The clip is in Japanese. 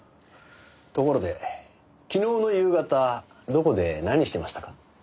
ところで昨日の夕方どこで何してましたか？